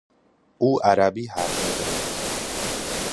او عربی حرف میزند.